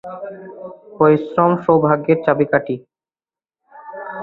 পরিশ্রম সৌভাগ্যের চাবিকাঠি।